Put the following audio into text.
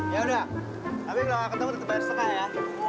yaudah tapi kalau nggak ketemu tetap bayar setengah ya